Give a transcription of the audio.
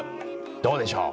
どうでしょう？